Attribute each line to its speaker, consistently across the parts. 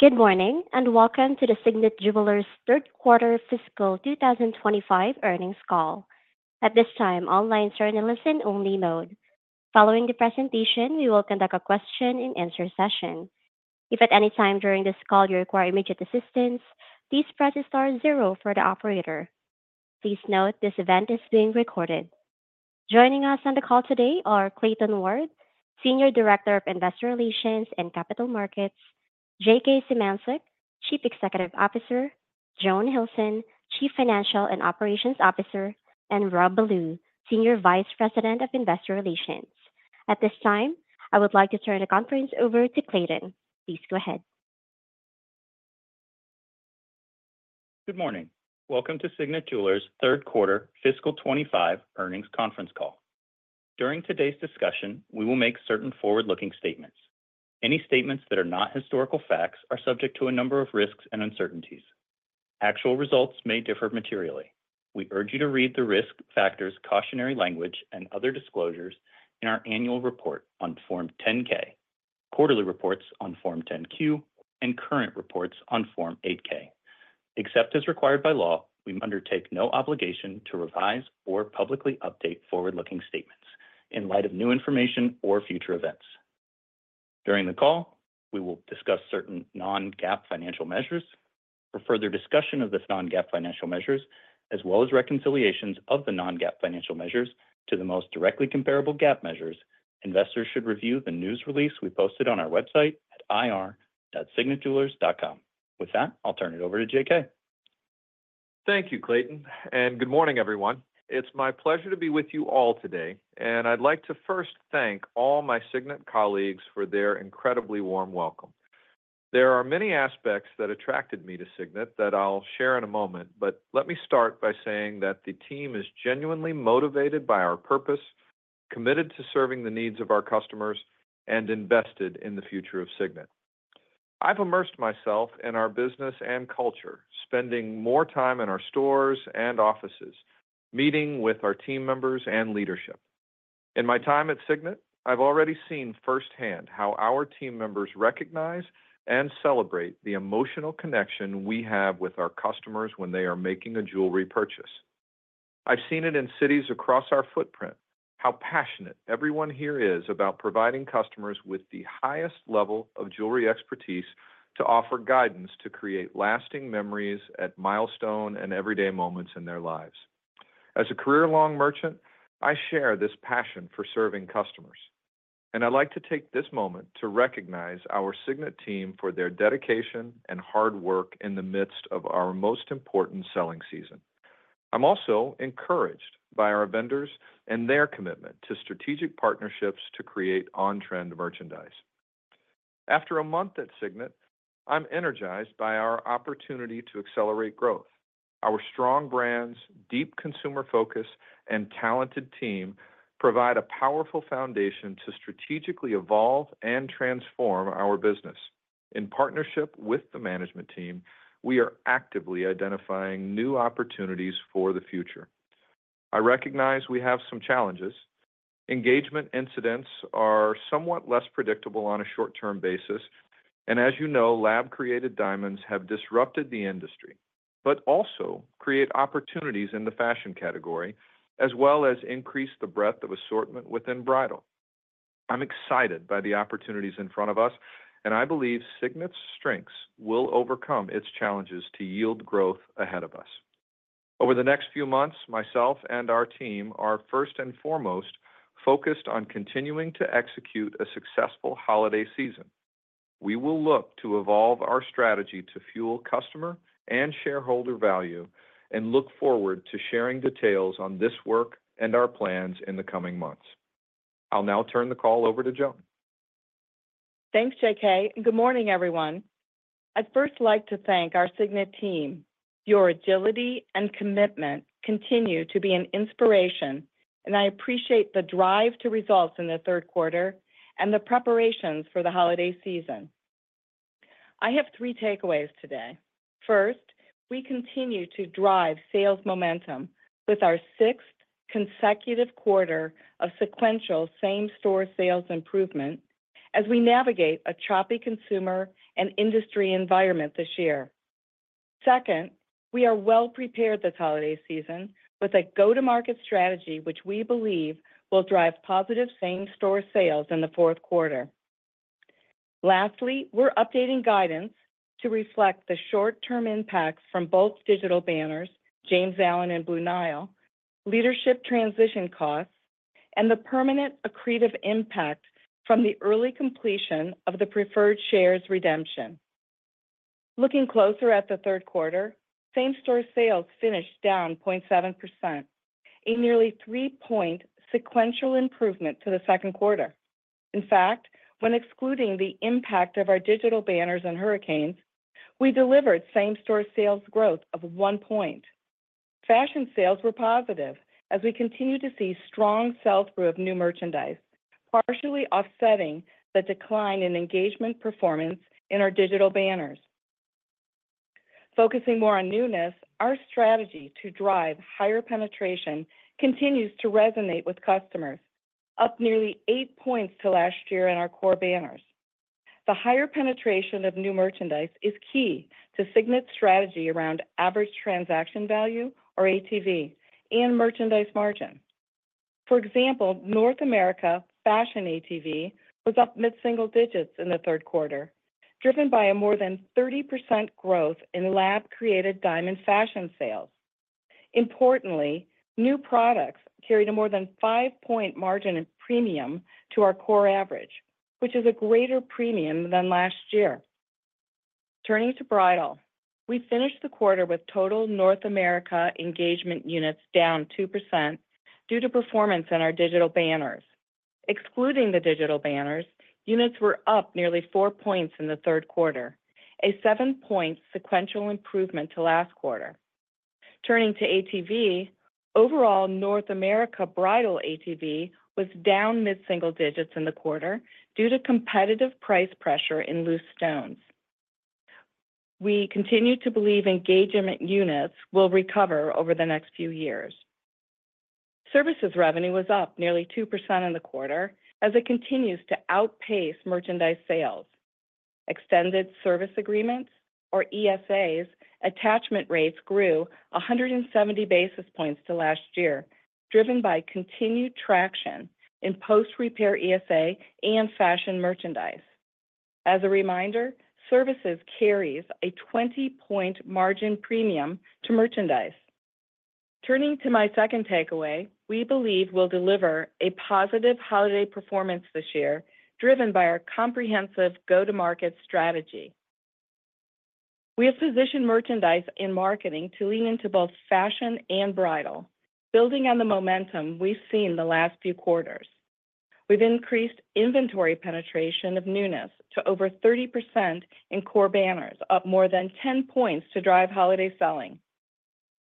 Speaker 1: Good morning and welcome to the Signet Jewelers' third quarter fiscal 2025 earnings call. At this time, all lines are in a listen-only mode. Following the presentation, we will conduct a question-and-answer session. If at any time during this call you require immediate assistance, please press star zero for the operator. Please note this event is being recorded. Joining us on the call today are Clayton Ward, Senior Director of Investor Relations and Capital Markets, J.K. Symancyk, Chief Executive Officer, Joan Hilson, Chief Financial and Operations Officer, and Rob Ballew, Senior Vice President of Investor Relations. At this time, I would like to turn the conference over to Clayton. Please go ahead.
Speaker 2: Good morning. Welcome to Signet Jewelers' third quarter fiscal 2025 earnings conference call. During today's discussion, we will make certain forward-looking statements. Any statements that are not historical facts are subject to a number of risks and uncertainties. Actual results may differ materially. We urge you to read the risk factors, cautionary language, and other disclosures in our annual report on Form 10-K, quarterly reports on Form 10-Q, and current reports on Form 8-K. Except as required by law, we undertake no obligation to revise or publicly update forward-looking statements in light of new information or future events. During the call, we will discuss certain non-GAAP financial measures. For further discussion of the non-GAAP financial measures, as well as reconciliations of the non-GAAP financial measures to the most directly comparable GAAP measures, investors should review the news release we posted on our website at ir.signetjewelers.com. With that, I'll turn it over to J.K.
Speaker 3: Thank you, Clayton, and good morning, everyone. It's my pleasure to be with you all today, and I'd like to first thank all my Signet colleagues for their incredibly warm welcome. There are many aspects that attracted me to Signet that I'll share in a moment, but let me start by saying that the team is genuinely motivated by our purpose, committed to serving the needs of our customers, and invested in the future of Signet. I've immersed myself in our business and culture, spending more time in our stores and offices, meeting with our team members and leadership. In my time at Signet, I've already seen firsthand how our team members recognize and celebrate the emotional connection we have with our customers when they are making a jewelry purchase. I've seen it in cities across our footprint, how passionate everyone here is about providing customers with the highest level of jewelry expertise to offer guidance to create lasting memories at milestone and everyday moments in their lives. As a career-long merchant, I share this passion for serving customers, and I'd like to take this moment to recognize our Signet team for their dedication and hard work in the midst of our most important selling season. I'm also encouraged by our vendors and their commitment to strategic partnerships to create on-trend merchandise. After a month at Signet, I'm energized by our opportunity to accelerate growth. Our strong brands, deep consumer focus, and talented team provide a powerful foundation to strategically evolve and transform our business. In partnership with the management team, we are actively identifying new opportunities for the future. I recognize we have some challenges. Engagement incidence are somewhat less predictable on a short-term basis, and as you know, lab-created diamonds have disrupted the industry but also create opportunities in the fashion category, as well as increase the breadth of assortment within bridal. I'm excited by the opportunities in front of us, and I believe Signet's strengths will overcome its challenges to yield growth ahead of us. Over the next few months, myself and our team are first and foremost focused on continuing to execute a successful holiday season. We will look to evolve our strategy to fuel customer and shareholder value and look forward to sharing details on this work and our plans in the coming months. I'll now turn the call over to Joan.
Speaker 4: Thanks, J.K. Good morning, everyone. I'd first like to thank our Signet team. Your agility and commitment continue to be an inspiration, and I appreciate the drive to results in the third quarter and the preparations for the holiday season. I have three takeaways today. First, we continue to drive sales momentum with our sixth consecutive quarter of sequential same-store sales improvement as we navigate a choppy consumer and industry environment this year. Second, we are well prepared this holiday season with a go-to-market strategy, which we believe will drive positive same-store sales in the fourth quarter. Lastly, we're updating guidance to reflect the short-term impacts from both digital banners, James Allen and Blue Nile, leadership transition costs, and the permanent accretive impact from the early completion of the preferred shares redemption. Looking closer at the third quarter, same-store sales finished down 0.7%, a nearly three-point sequential improvement to the second quarter. In fact, when excluding the impact of our digital banners and hurricanes, we delivered same-store sales growth of one point. Fashion sales were positive as we continue to see strong sell-through of new merchandise, partially offsetting the decline in engagement performance in our digital banners. Focusing more on newness, our strategy to drive higher penetration continues to resonate with customers, up nearly eight points to last year in our core banners. The higher penetration of new merchandise is key to Signet's strategy around average transaction value, or ATV, and merchandise margin. For example, North America fashion ATV was up mid-single digits in the third quarter, driven by a more than 30% growth in lab-created diamond fashion sales. Importantly, new products carried a more than five-point margin of premium to our core average, which is a greater premium than last year. Turning to bridal, we finished the quarter with total North America engagement units down 2% due to performance in our digital banners. Excluding the digital banners, units were up nearly four points in the third quarter, a seven-point sequential improvement to last quarter. Turning to ATV, overall North America bridal ATV was down mid-single digits in the quarter due to competitive price pressure in loose stones. We continue to believe engagement units will recover over the next few years. Services revenue was up nearly 2% in the quarter as it continues to outpace merchandise sales. Extended service agreements, or ESAs, attachment rates grew 170 basis points to last year, driven by continued traction in post-repair ESA and fashion merchandise. As a reminder, services carries a 20-point margin premium to merchandise. Turning to my second takeaway, we believe we'll deliver a positive holiday performance this year, driven by our comprehensive go-to-market strategy. We have positioned merchandise and marketing to lean into both fashion and bridal, building on the momentum we've seen the last few quarters. We've increased inventory penetration of newness to over 30% in core banners, up more than 10 points to drive holiday selling.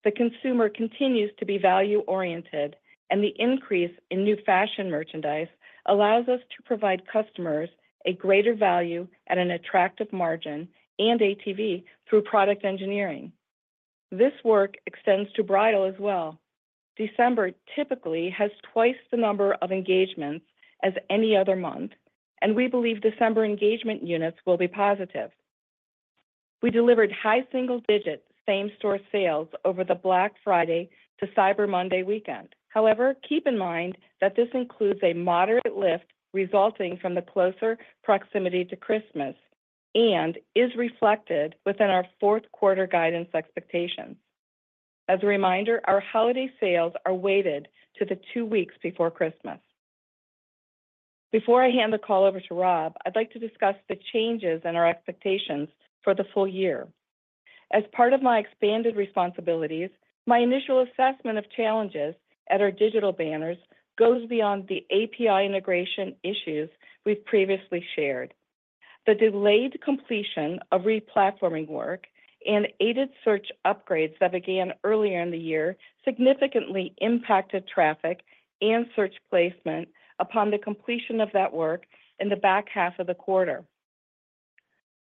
Speaker 4: The consumer continues to be value-oriented, and the increase in new fashion merchandise allows us to provide customers a greater value at an attractive margin and ATV through product engineering. This work extends to bridal as well. December typically has twice the number of engagements as any other month, and we believe December engagement units will be positive. We delivered high single-digit same-store sales over the Black Friday to Cyber Monday weekend. However, keep in mind that this includes a moderate lift resulting from the closer proximity to Christmas and is reflected within our fourth quarter guidance expectations. As a reminder, our holiday sales are weighted to the two weeks before Christmas. Before I hand the call over to Rob, I'd like to discuss the changes in our expectations for the full year. As part of my expanded responsibilities, my initial assessment of challenges at our digital banners goes beyond the API integration issues we've previously shared. The delayed completion of re-platforming work and aided search upgrades that began earlier in the year significantly impacted traffic and search placement upon the completion of that work in the back half of the quarter.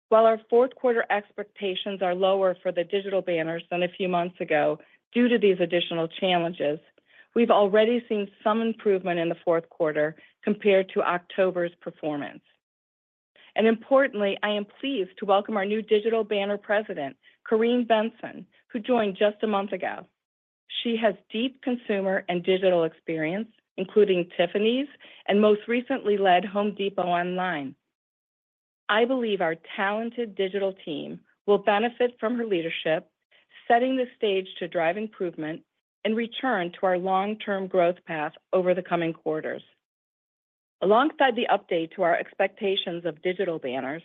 Speaker 4: While our fourth quarter expectations are lower for the Digital Banners than a few months ago due to these additional challenges, we've already seen some improvement in the fourth quarter compared to October's performance, and importantly, I am pleased to welcome our new Digital Banner President, Corinne Benson, who joined just a month ago. She has deep consumer and digital experience, including Tiffany's and most recently led Home Depot Online. I believe our talented digital team will benefit from her leadership, setting the stage to drive improvement and return to our long-term growth path over the coming quarters. Alongside the update to our expectations of Digital Banners,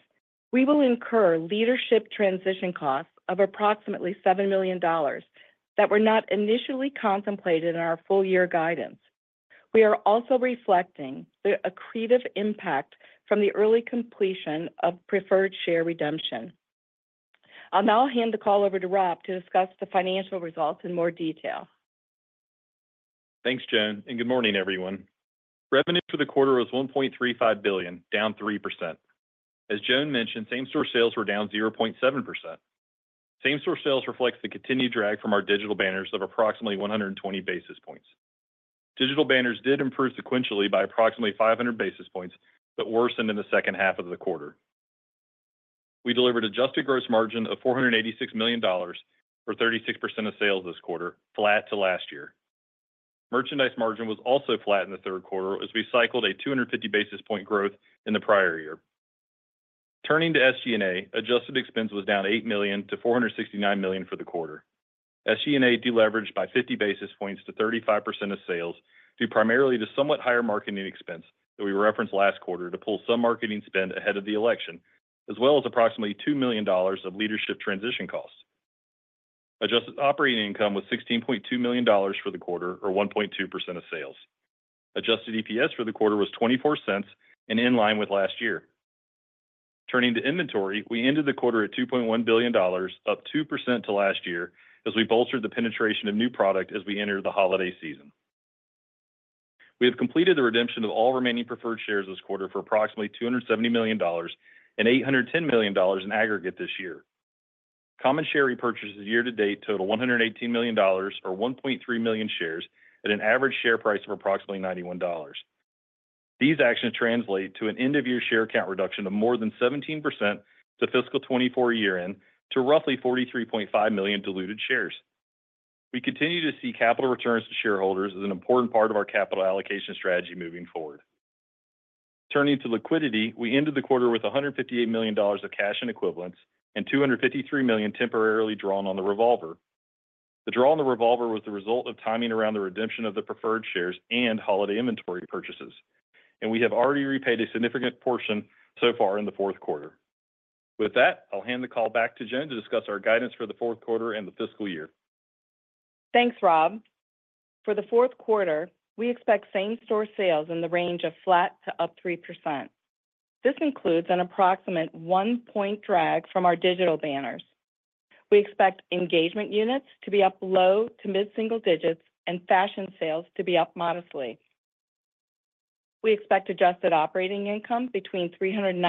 Speaker 4: we will incur leadership transition costs of approximately $7 million that were not initially contemplated in our full-year guidance. We are also reflecting the accretive impact from the early completion of preferred share redemption. I'll now hand the call over to Rob to discuss the financial results in more detail.
Speaker 5: Thanks, Joan, and good morning, everyone. Revenue for the quarter was $1.35 billion, down 3%. As Joan mentioned, same-store sales were down 0.7%. Same-store sales reflects the continued drag from our digital banners of approximately 120 basis points. Digital banners did improve sequentially by approximately 500 basis points but worsened in the second half of the quarter. We delivered an adjusted gross margin of $486 million for 36% of sales this quarter, flat to last year. Merchandise margin was also flat in the third quarter as we cycled a 250 basis point growth in the prior year. Turning to SG&A, adjusted expense was down $8 million to $469 million for the quarter. SG&A deleveraged by 50 basis points to 35% of sales due primarily to somewhat higher marketing expense that we referenced last quarter to pull some marketing spend ahead of the election, as well as approximately $2 million of leadership transition costs. Adjusted operating income was $16.2 million for the quarter, or 1.2% of sales. Adjusted EPS for the quarter was $0.24, and in line with last year. Turning to inventory, we ended the quarter at $2.1 billion, up 2% to last year as we bolstered the penetration of new product as we entered the holiday season. We have completed the redemption of all remaining preferred shares this quarter for approximately $270 million and $810 million in aggregate this year. Common share repurchases year-to-date total $118 million, or 1.3 million shares, at an average share price of approximately $91. These actions translate to an end-of-year share count reduction of more than 17% to fiscal 2024 year-end to roughly 43.5 million diluted shares. We continue to see capital returns to shareholders as an important part of our capital allocation strategy moving forward. Turning to liquidity, we ended the quarter with $158 million of cash and equivalents and $253 million temporarily drawn on the revolver. The draw on the revolver was the result of timing around the redemption of the preferred shares and holiday inventory purchases, and we have already repaid a significant portion so far in the fourth quarter. With that, I'll hand the call back to Joan to discuss our guidance for the fourth quarter and the fiscal year.
Speaker 4: Thanks, Rob. For the fourth quarter, we expect same-store sales in the range of flat to up 3%. This includes an approximate one-point drag from our digital banners. We expect engagement units to be up low to mid-single digits and fashion sales to be up modestly. We expect adjusted operating income between $397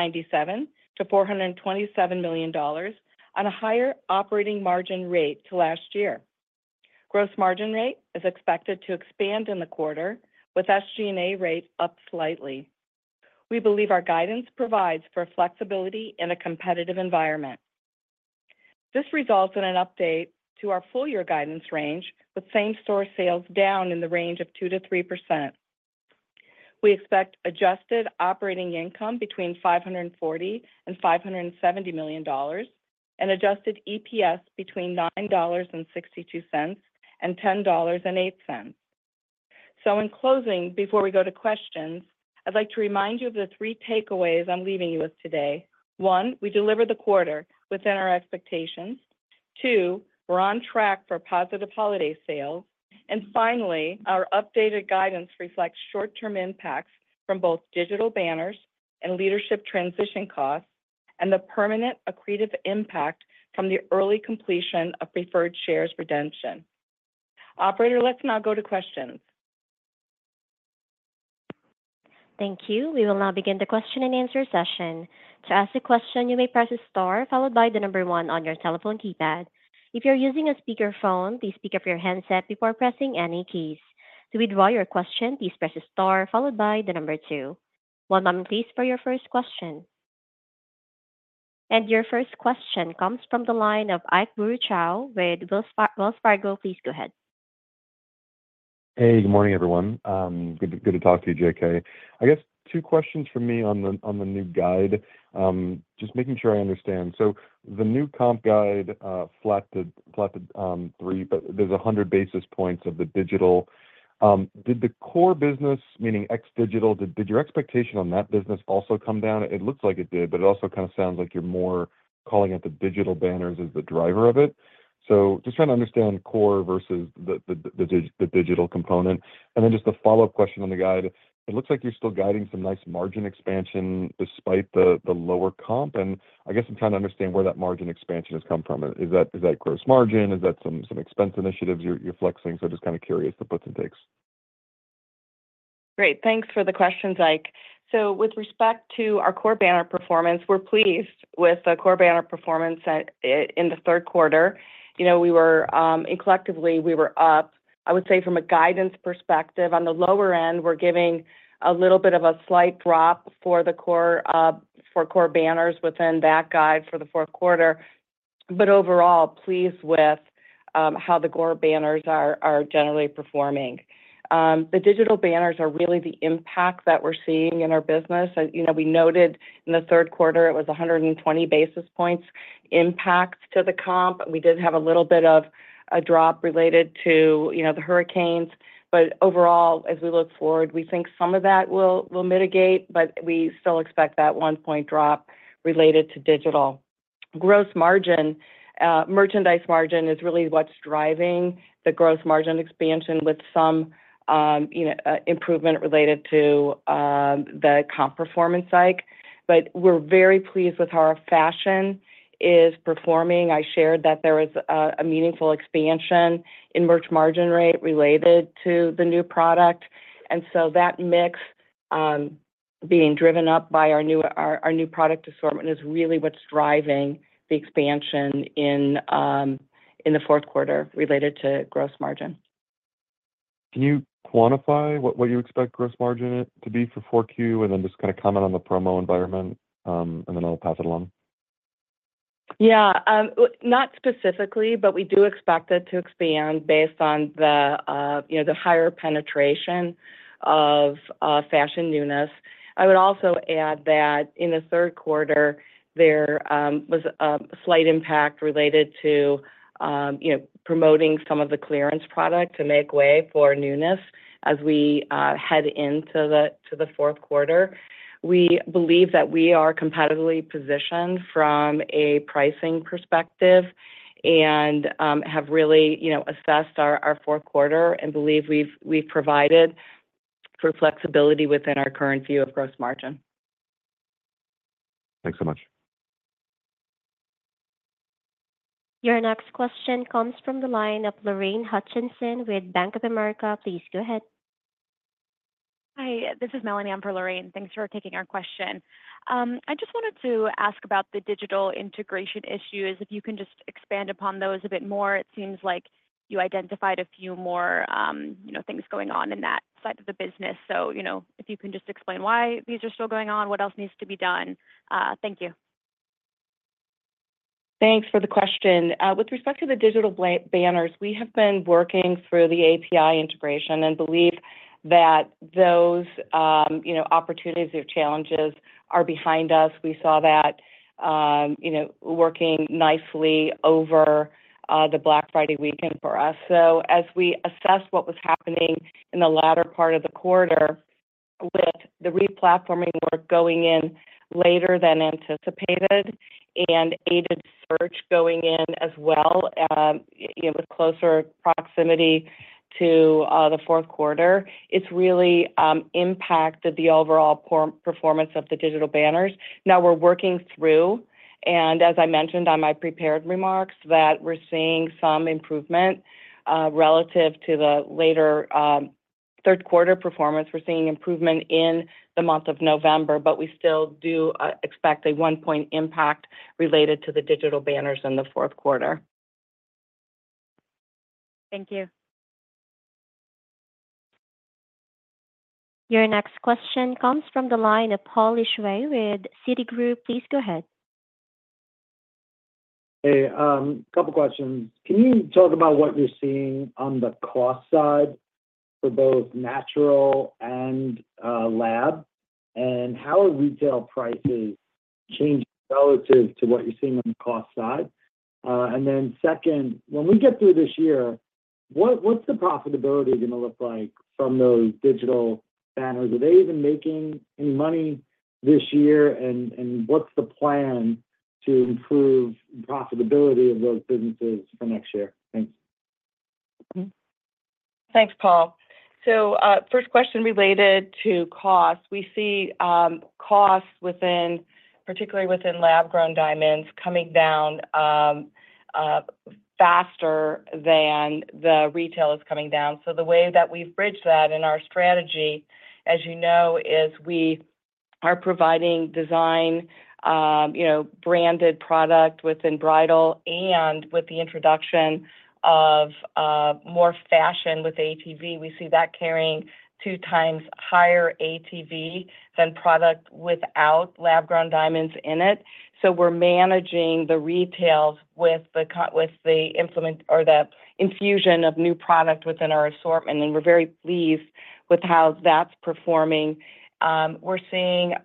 Speaker 4: million-$427 million at a higher operating margin rate to last year. Gross margin rate is expected to expand in the quarter, with SG&A rate up slightly. We believe our guidance provides for flexibility in a competitive environment. This results in an update to our full-year guidance range with same-store sales down in the range of 2%-3%. We expect adjusted operating income between $540 million-$570 million and adjusted EPS between $9.62-$10.08. So in closing, before we go to questions, I'd like to remind you of the three takeaways I'm leaving you with today. One, we delivered the quarter within our expectations. Two, we're on track for positive holiday sales. And finally, our updated guidance reflects short-term impacts from both digital banners and leadership transition costs and the permanent accretive impact from the early completion of preferred shares redemption. Operator, let's now go to questions.
Speaker 1: Thank you. We will now begin the question and answer session. To ask a question, you may press a star followed by the number one on your telephone keypad. If you're using a speakerphone, please speak up your headset before pressing any keys. To withdraw your question, please press a star followed by the number two. One moment, please, for your first question. And your first question comes from the line of Ike Boruchow with Wells Fargo. Please go ahead.
Speaker 6: Hey, good morning, everyone. Good to talk to you, J.K. I guess two questions for me on the new guide, just making sure I understand. So the new comp guide, flat to three, but there's 100 basis points of the digital. Did the core business, meaning ex-digital, did your expectation on that business also come down? It looks like it did, but it also kind of sounds like you're more calling out the digital banners as the driver of it. So just trying to understand core versus the digital component. And then just the follow-up question on the guide, it looks like you're still guiding some nice margin expansion despite the lower comp. And I guess I'm trying to understand where that margin expansion has come from. Is that gross margin? Is that some expense initiatives you're flexing? So just kind of curious the puts and takes.
Speaker 4: Great. Thanks for the questions, Ike. So with respect to our core banner performance, we're pleased with the core banner performance in the third quarter. We were collectively up, I would say, from a guidance perspective. On the lower end, we're giving a little bit of a slight drop for core banners within that guide for the fourth quarter. But overall, pleased with how the core banners are generally performing. The digital banners are really the impact that we're seeing in our business. We noted in the third quarter, it was 120 basis points impact to the comp. We did have a little bit of a drop related to the hurricanes. But overall, as we look forward, we think some of that will mitigate, but we still expect that one-point drop related to digital. Gross margin, merchandise margin is really what's driving the gross margin expansion with some improvement related to the comp performance, Ike. But we're very pleased with how our fashion is performing. I shared that there was a meaningful expansion in merch margin rate related to the new product. And so that mix being driven up by our new product assortment is really what's driving the expansion in the fourth quarter related to gross margin.
Speaker 6: Can you quantify what you expect gross margin to be for 4Q and then just kind of comment on the promo environment, and then I'll pass it along?
Speaker 4: Yeah. Not specifically, but we do expect it to expand based on the higher penetration of fashion newness. I would also add that in the third quarter, there was a slight impact related to promoting some of the clearance product to make way for newness as we head into the fourth quarter. We believe that we are competitively positioned from a pricing perspective and have really assessed our fourth quarter and believe we've provided for flexibility within our current view of gross margin.
Speaker 6: Thanks so much.
Speaker 1: Your next question comes from the line of Lorraine Hutchinson with Bank of America. Please go ahead.
Speaker 7: Hi, this is Melanie on for, Lorraine. Thanks for taking our question. I just wanted to ask about the digital integration issues. If you can just expand upon those a bit more. It seems like you identified a few more things going on in that side of the business. So if you can just explain why these are still going on, what else needs to be done? Thank you.
Speaker 4: Thanks for the question. With respect to the digital banners, we have been working through the API integration and believe that those opportunities or challenges are behind us. We saw that working nicely over the Black Friday weekend for us, so as we assessed what was happening in the latter part of the quarter with the re-platforming work going in later than anticipated and aided search going in as well with closer proximity to the fourth quarter, it's really impacted the overall performance of the digital banners. Now we're working through, and as I mentioned on my prepared remarks, that we're seeing some improvement relative to the later third quarter performance. We're seeing improvement in the month of November, but we still do expect a one-point impact related to the digital banners in the fourth quarter.
Speaker 7: Thank you.
Speaker 1: Your next question comes from the line of Paul Lejuez with Citigroup. Please go ahead.
Speaker 8: Hey, a couple of questions. Can you talk about what you're seeing on the cost side for both natural and lab, and how are retail prices changing relative to what you're seeing on the cost side? And then second, when we get through this year, what's the profitability going to look like from those digital banners? Are they even making any money this year, and what's the plan to improve the profitability of those businesses for next year? Thanks.
Speaker 4: Thanks, Paul. So first question related to cost. We see costs particularly within lab-grown diamonds coming down faster than the retail is coming down. So the way that we've bridged that in our strategy, as you know, is we are providing design, branded product within bridal, and with the introduction of more fashion with ATV, we see that carrying two times higher ATV than product without lab-grown diamonds in it. So we're managing the retails with the infusion of new product within our assortment, and we're very pleased with how that's performing. We're seeing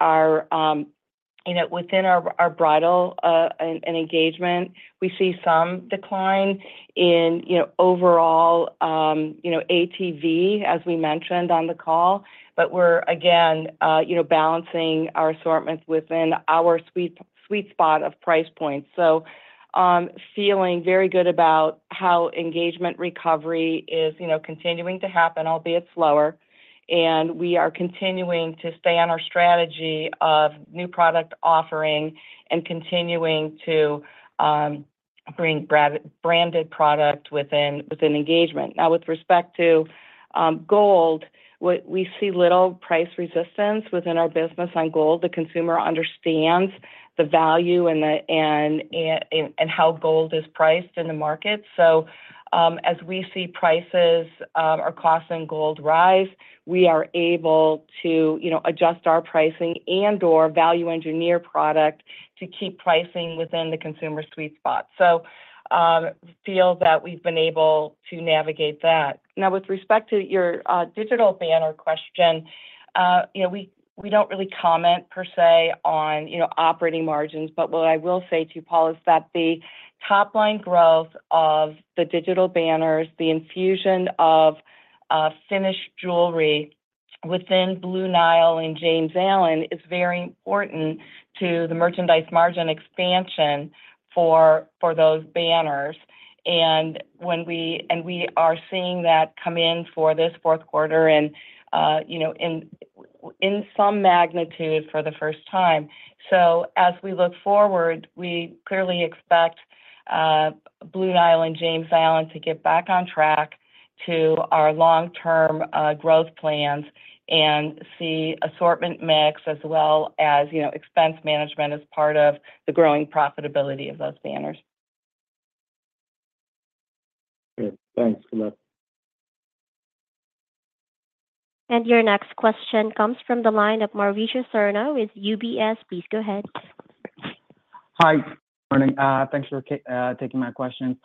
Speaker 4: within our bridal and engagement, we see some decline in overall ATV, as we mentioned on the call, but we're, again, balancing our assortment within our sweet spot of price points. So, feeling very good about how engagement recovery is continuing to happen, albeit slower, and we are continuing to stay on our strategy of new product offering and continuing to bring branded product within engagement. Now, with respect to gold, we see little price resistance within our business on gold. The consumer understands the value and how gold is priced in the market. So as we see prices, our costs in gold rise, we are able to adjust our pricing and/or value engineer product to keep pricing within the consumer sweet spot. So I feel that we've been able to navigate that. Now, with respect to your digital banner question, we don't really comment per se on operating margins, but what I will say to you, Paul, is that the top-line growth of the digital banners, the infusion of finished jewelry within Blue Nile and James Allen is very important to the merchandise margin expansion for those banners. And we are seeing that come in for this fourth quarter and in some magnitude for the first time. So as we look forward, we clearly expect Blue Nile and James Allen to get back on track to our long-term growth plans and see assortment mix as well as expense management as part of the growing profitability of those banners.
Speaker 8: Great. Thanks for that.
Speaker 1: Your next question comes from the line of Mauricio Serna with UBS. Please go ahead.
Speaker 9: Hi, good morning. Thanks for taking my questions.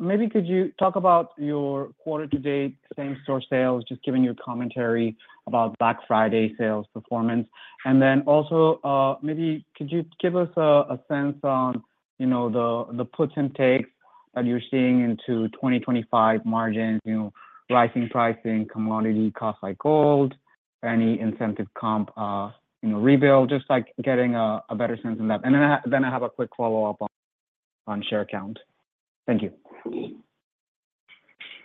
Speaker 9: Maybe could you talk about your quarter-to-date same-store sales, just giving you commentary about Black Friday sales performance? And then also, maybe could you give us a sense on the puts and takes that you're seeing into 2025 margins, rising pricing, commodity costs like gold, any incentive comp rebuild, just getting a better sense of that? And then I have a quick follow-up on share count. Thank you.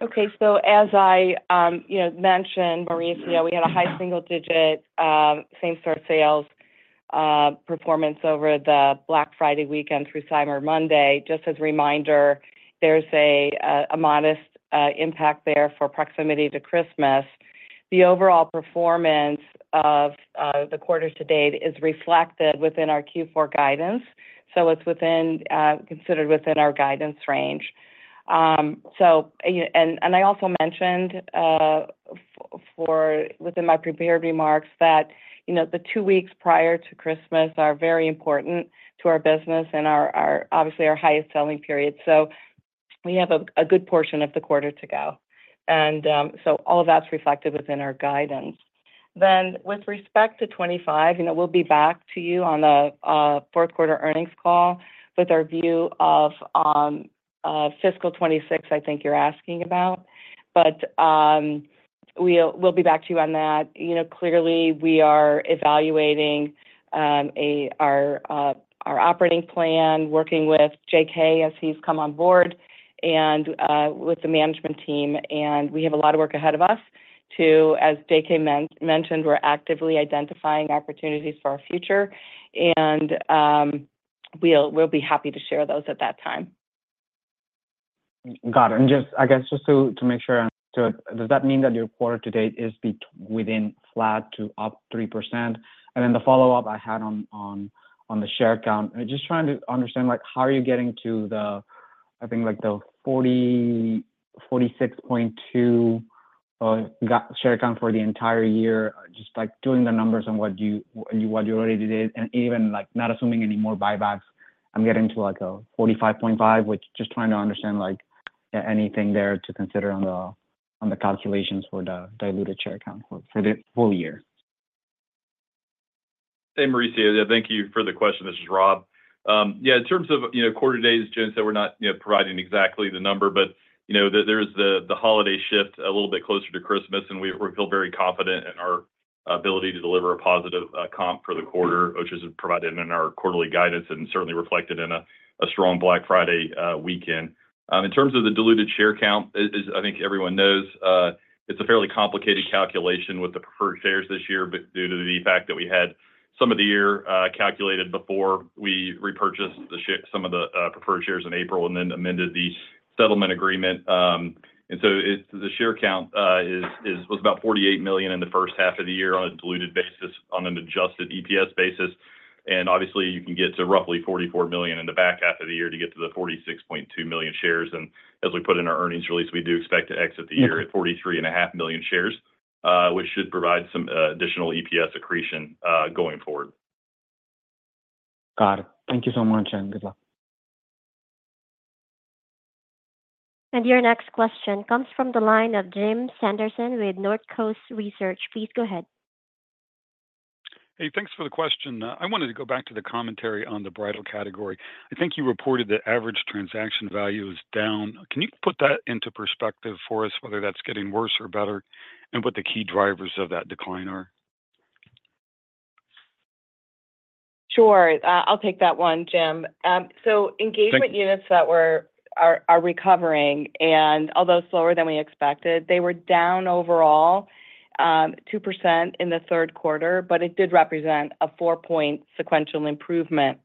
Speaker 4: Okay. So as I mentioned, Mauricio, we had a high single-digit same-store sales performance over the Black Friday weekend through Cyber Monday. Just as a reminder, there's a modest impact there for proximity to Christmas. The overall performance of the quarter-to-date is reflected within our Q4 guidance. So it's considered within our guidance range. And I also mentioned within my prepared remarks that the two weeks prior to Christmas are very important to our business and are obviously our highest selling period. So we have a good portion of the quarter to go. And so all of that's reflected within our guidance. Then with respect to 2025, we'll be back to you on the fourth-quarter earnings call with our view of fiscal 2026, I think you're asking about. But we'll be back to you on that. Clearly, we are evaluating our operating plan, working with JK as he's come on board and with the management team, and we have a lot of work ahead of us too. As JK mentioned, we're actively identifying opportunities for our future, and we'll be happy to share those at that time.
Speaker 9: Got it. And I guess just to make sure, does that mean that your quarter-to-date is within flat to up 3%? And then the follow-up I had on the share count, just trying to understand how are you getting to, I think, the 46.2 share count for the entire year, just doing the numbers on what you already did, and even not assuming any more buybacks, I'm getting to a 45.5, which just trying to understand anything there to consider on the calculations for the diluted share count for the full year.
Speaker 5: Hey, Mauricio. Yeah, thank you for the question. This is Rob. Yeah, in terms of quarter-to-date, as Joan said, we're not providing exactly the number, but there is the holiday shift a little bit closer to Christmas, and we feel very confident in our ability to deliver a positive comp for the quarter, which is provided in our quarterly guidance and certainly reflected in a strong Black Friday weekend. In terms of the diluted share count, I think everyone knows it's a fairly complicated calculation with the preferred shares this year, but due to the fact that we had some of the year calculated before we repurchased some of the preferred shares in April and then amended the settlement agreement, and so the share count was about 48 million in the first half of the year on a diluted basis, on an adjusted EPS basis. Obviously, you can get to roughly 44 million in the back half of the year to get to the 46.2 million shares. As we put in our earnings release, we do expect to exit the year at 43.5 million shares, which should provide some additional EPS accretion going forward.
Speaker 9: Got it. Thank you so much, and good luck.
Speaker 1: Your next question comes from the line of Jim Sanderson with North Coast Research. Please go ahead.
Speaker 10: Hey, thanks for the question. I wanted to go back to the commentary on the bridal category. I think you reported that average transaction value is down. Can you put that into perspective for us, whether that's getting worse or better, and what the key drivers of that decline are?
Speaker 4: Sure. I'll take that one, Jim. So engagement units that were recovering, and although slower than we expected, they were down overall 2% in the third quarter, but it did represent a 4-point sequential improvement.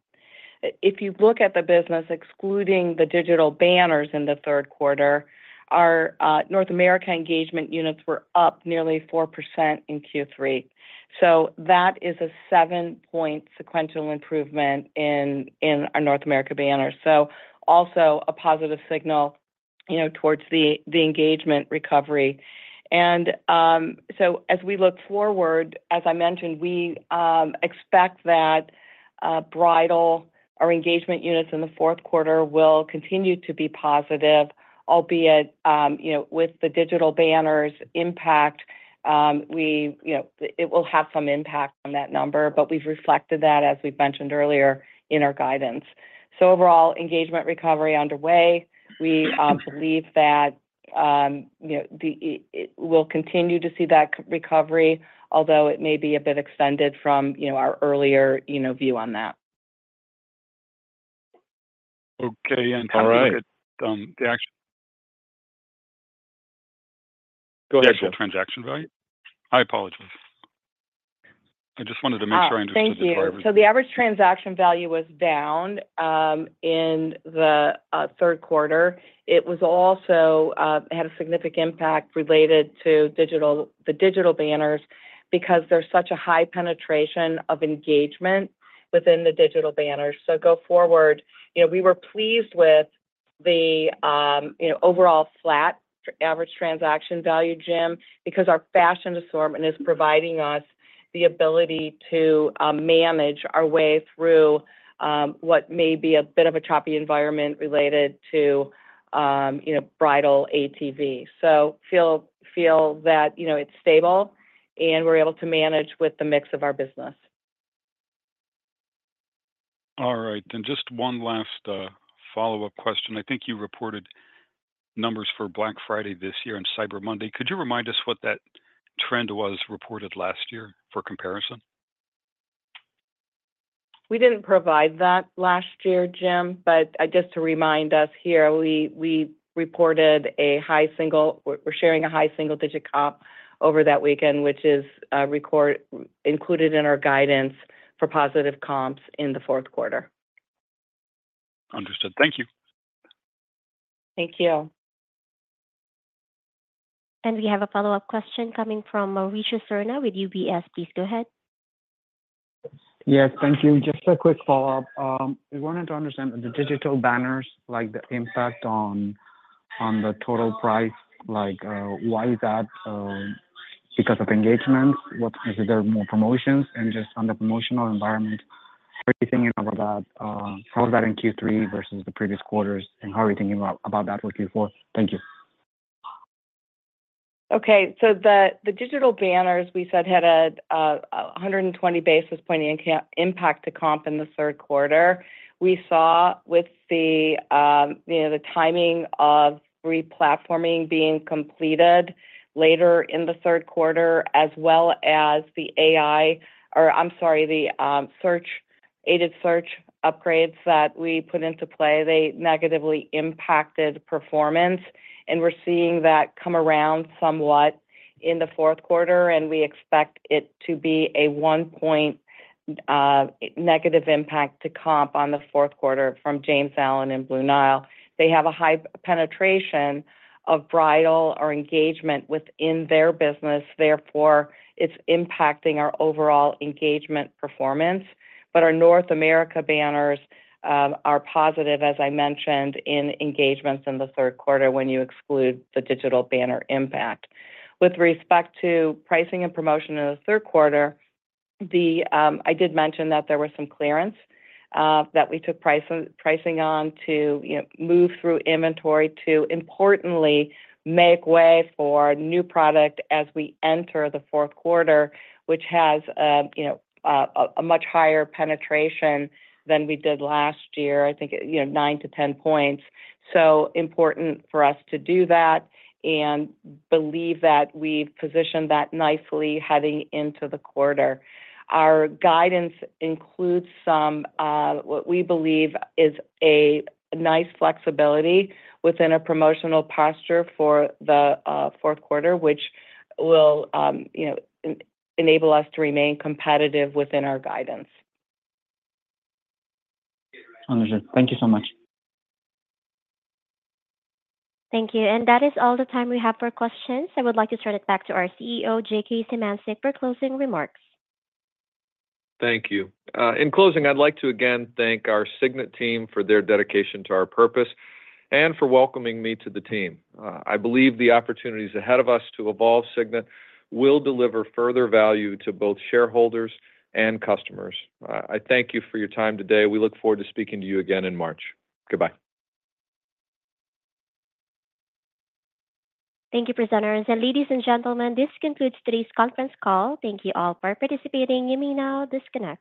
Speaker 4: If you look at the business, excluding the digital banners in the third quarter, our North America engagement units were up nearly 4% in Q3. So that is a 7-point sequential improvement in our North America banners. So also a positive signal towards the engagement recovery. And so as we look forward, as I mentioned, we expect that bridal, our engagement units in the fourth quarter, will continue to be positive, albeit with the digital banners' impact, it will have some impact on that number, but we've reflected that, as we've mentioned earlier, in our guidance. So overall, engagement recovery underway. We believe that we'll continue to see that recovery, although it may be a bit extended from our earlier view on that.
Speaker 10: Okay. And how did the actual transaction value? I apologize. I just wanted to make sure I understood correctly.
Speaker 4: Oh, thank you. So the average transaction value was down in the third quarter. It also had a significant impact related to the Digital Banners because there's such a high penetration of engagement within the Digital Banners. So go forward, we were pleased with the overall flat average transaction value, Jim, because our fashion assortment is providing us the ability to manage our way through what may be a bit of a choppy environment related to bridal ATV. So feel that it's stable, and we're able to manage with the mix of our business.
Speaker 10: All right and just one last follow-up question. I think you reported numbers for Black Friday this year and Cyber Monday. Could you remind us what that trend was reported last year for comparison?
Speaker 4: We didn't provide that last year, Jim, but just to remind us here, we reported a high single-digit comp over that weekend, which is included in our guidance for positive comps in the fourth quarter.
Speaker 10: Understood. Thank you.
Speaker 4: Thank you.
Speaker 1: We have a follow-up question coming from Mauricio Serna with UBS. Please go ahead.
Speaker 9: Yes, thank you. Just a quick follow-up. We wanted to understand the digital banners, the impact on the total price. Why is that? Because of engagements? Is there more promotions? And just on the promotional environment, how are you thinking about that? How was that in Q3 versus the previous quarters? And how are you thinking about that for Q4? Thank you.
Speaker 4: Okay, so the Digital Banners, we said, had a 120 basis point impact to comp in the third quarter. We saw with the timing of replatforming being completed later in the third quarter, as well as the AI—or I'm sorry, the search, aided search upgrades that we put into play, they negatively impacted performance. We're seeing that come around somewhat in the fourth quarter, and we expect it to be a 1-point negative impact to comp on the fourth quarter from James Allen and Blue Nile. They have a high penetration of bridal or engagement within their business. Therefore, it's impacting our overall engagement performance, but our North America banners are positive, as I mentioned, in engagements in the third quarter when you exclude the Digital Banners impact. With respect to pricing and promotion in the third quarter, I did mention that there was some clearance that we took pricing on to move through inventory to, importantly, make way for new product as we enter the fourth quarter, which has a much higher penetration than we did last year. I think 9 to 10 points. So important for us to do that and believe that we've positioned that nicely heading into the quarter. Our guidance includes somewhat what we believe is a nice flexibility within a promotional posture for the fourth quarter, which will enable us to remain competitive within our guidance.
Speaker 9: Understood. Thank you so much.
Speaker 1: Thank you. And that is all the time we have for questions. I would like to turn it back to our CEO, J.K. Symancyk, for closing remarks.
Speaker 3: Thank you. In closing, I'd like to again thank our Signet team for their dedication to our purpose and for welcoming me to the team. I believe the opportunities ahead of us to evolve Signet will deliver further value to both shareholders and customers. I thank you for your time today. We look forward to speaking to you again in March. Goodbye.
Speaker 1: Thank you, presenters. And ladies and gentlemen, this concludes today's conference call. Thank you all for participating. You may now disconnect.